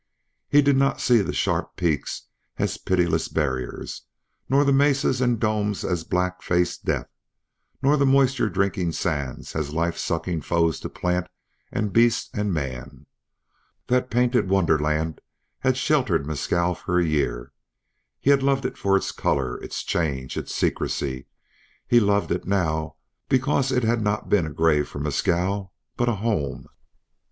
He did not see the sharp peaks as pitiless barriers, nor the mesas and domes as black faced death, nor the moisture drinking sands as life sucking foes to plant and beast and man. That painted wonderland had sheltered Mescal for a year. He had loved it for its color, its change, its secrecy; he loved it now because it had not been a grave for Mescal, but a home.